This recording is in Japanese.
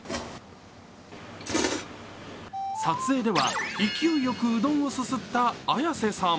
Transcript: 撮影では勢いよくうどんをすすった綾瀬さん。